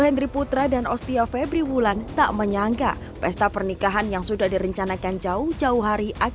hendry putra dan ostia febri wulan tak menyangka pesta pernikahan yang sudah direncanakan jauh jauh hari